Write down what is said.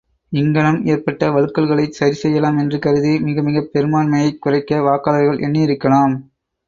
இங்ஙனம் ஏற்பட்ட வழுக்கல்களைச் சரி செய்யலாம் என்று கருதி மிக மிகப் பெரும்பான்மையைக் குறைக்க வாக்காளர்கள் எண்ணியிருக்கலாம்.